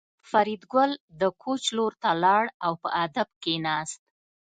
فریدګل د کوچ لور ته لاړ او په ادب کېناست